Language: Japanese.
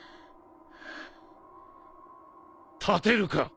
立てるか？